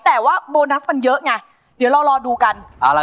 แต่ว่าโบนัสมันเยอะไงเดี๋ยวเรารอดูกัน